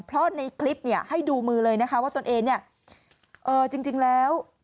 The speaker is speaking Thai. เพราะในคลิปให้ดูมือเลยนะคะว่าตนเองจริงแล้ว